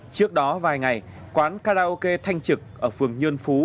trước đó vài ngày quán karaoke thanh trực ở phường nhơn phú